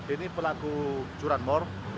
ini pelaku curanmor